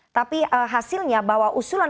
tapi hasilnya bahwa usulan